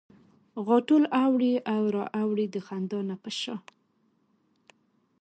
غاټول اوړي او را اوړي د خندا نه په شا